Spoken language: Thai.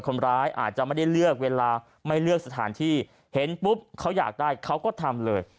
คนร้ายอาจจะไม่ได้เลือกเวลาไม่เลือกสถานที่เห็นปุ๊บเขาอยากได้เขาก็ทำเลย